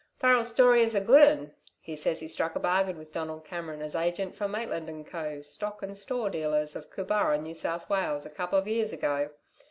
Farrel's story is a good 'un. He says he struck a bargain with Donald Cameron, as agent for Maitland & Co., stock and store dealers, of Cooburra, New South Wales, a couple of years ago.